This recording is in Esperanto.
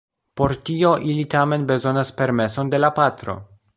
Por tio ili tamen bezonas permeson de la patro.